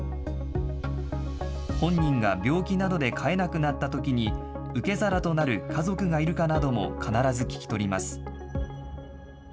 本人が病気などで飼えなくなったときに、受け皿となる家族がいるかなども必ず聞き取ります。